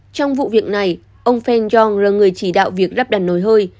trong vụ việc này ông phan jong là người chỉ đạo việc rắp đặt nồi hơi